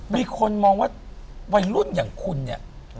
มีคนมองว่าวัยรุ่นอย่างคุณเนี่ย